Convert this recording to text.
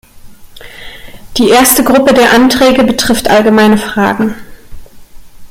Die erste Gruppe der Anträge betrifft allgemeine Fragen.